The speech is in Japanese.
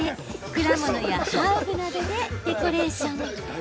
果物やハーブなどでデコレーション。